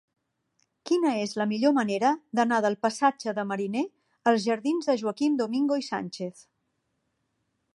Quina és la millor manera d'anar del passatge de Mariner als jardins de Joaquim Domingo i Sánchez?